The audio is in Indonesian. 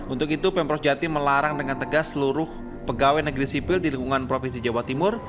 untuk itu pemprov jatim melarang dengan tegas seluruh pegawai negeri sipil di lingkungan provinsi jawa timur